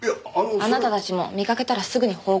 あなたたちも見かけたらすぐに報告してよ。